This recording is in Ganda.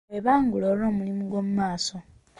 Weebangule olw'omulimu gw'omu maaso.